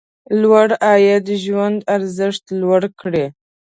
لوړ عاید ژوند ارزښت لوړ کړي.